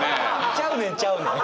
ちゃうねんちゃうねん！